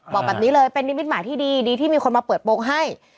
บอกแบบนี้เลยเป็นนิมิตหมายที่ดีที่มีคนมาเปิดโปรงให้